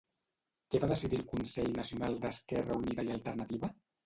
Què va decidir el consell nacional d'EUiA?